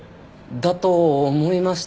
だと思いました。